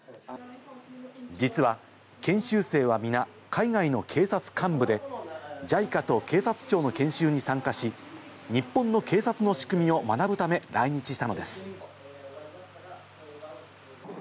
実は研修生は皆海外の警察幹部でＪＩＣＡと警察庁の研修に参加し、日本の警察の仕組みを学ぶため来日したのです。